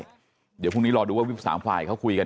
เดี๋ยวพรุ่งนี้รอดูว่าวิป๓ฝ่ายเขาคุยกัน